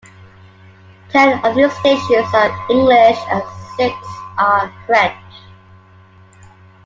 Ten of these stations are English and six are French.